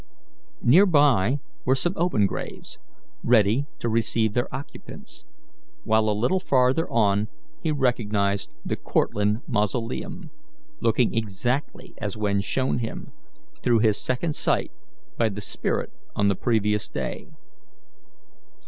Near by were some open graves, ready to receive their occupants, while a little farther on he recognized the Cortlandt mausoleum, looking exactly as when shown him, through his second sight, by the spirit on the previous day.